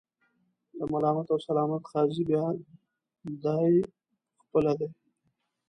د ملامت او سلامت قاضي بیا دای په خپله دی.